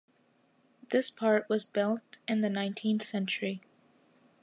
This part was built in the nineteenth century.